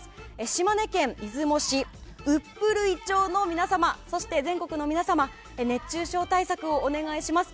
島根県出雲市十六島町の皆様そして全国の皆様熱中症対策をお願いします。